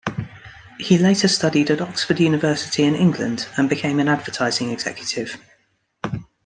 He later studied at Oxford University in England and became an advertising executive.